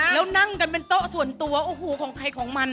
แล้วนั่งกันเป็นโต๊ะส่วนตัวโอ้โหของใครของมัน